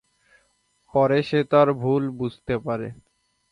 পরে সে তার ভুল বুঝতে পারে।